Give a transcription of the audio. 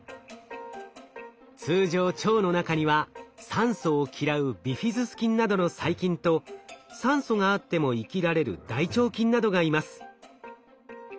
通常腸の中には酸素を嫌うビフィズス菌などの細菌と酸素があっても生きられる大腸菌などがいます。